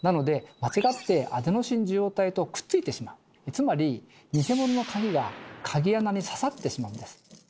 つまり偽物の鍵が鍵穴にささってしまうんです。